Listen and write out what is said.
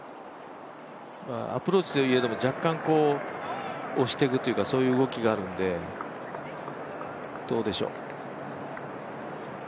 アプローチといえども若干押していくというかそういう動きがあるので、どうでしょう。